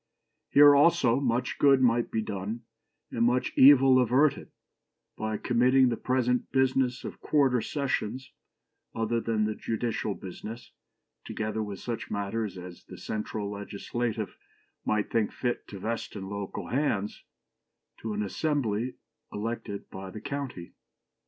Here, also, much good might be done, and much evil averted, by committing the present business of quarter sessions, other than the judicial business, together with such other matters as the central legislative might think fit to vest in local hands, to an assembly elected by the county."